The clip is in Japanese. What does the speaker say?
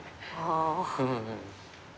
ああ。